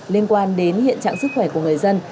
liên quan đến hiện trạng sức khỏe của người dân